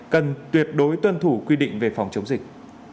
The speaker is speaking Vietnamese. cần tuyệt đối tuân thủ quy định về phòng chống dịch